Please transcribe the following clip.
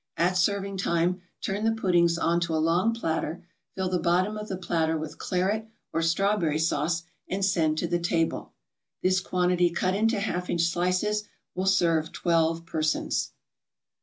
At serving time, turn the puddings on to a long platter, fill the bottom of the platter with Claret or Strawberry Sauce, and send to the table. This quantity cut into half inch slices will serve twelve persons.